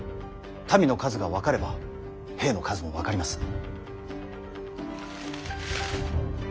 民の数が分かれば兵の数も分かります。